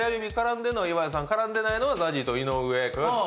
絡んでないのはＺＡＺＹと井上くん。